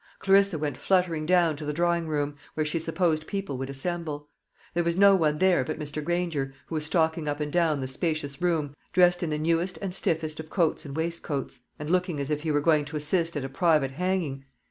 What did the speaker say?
Clarissa went fluttering down to the drawing room, where she supposed people would assemble. There was no one there but Mr. Granger, who was stalking up and down the spacious room, dressed in the newest and stiffest of coats and waistcoats, and looking as if he were going to assist at a private hanging.